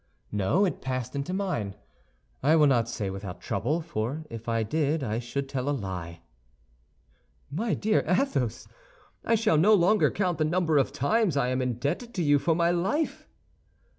"No, it passed into mine; I will not say without trouble, for if I did I should tell a lie." "My dear Athos, I shall no longer count the number of times I am indebted to you for my life."